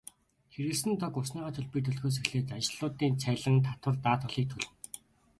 Хэрэглэсэн тог, усныхаа төлбөрийг төлөхөөс эхлээд ажилтнуудын цалин, татвар, даатгалыг төлнө.